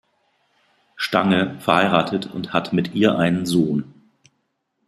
Stange, verheiratet und hat mit ihr einen Sohn.